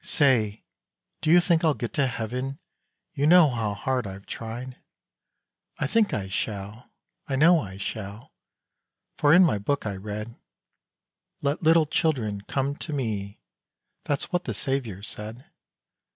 Say! do you think I'll get to heaven? You know how hard I've tried. "I think I shall I know I shall For in my book I read 'Let little children come to Me,' That's what the Saviour said.